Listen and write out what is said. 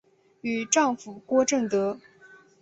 与丈夫郭政德。